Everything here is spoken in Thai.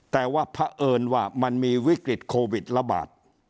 แต่ว่าเพราะเอิญว่ามันมีวิกฤตโควิดระบาด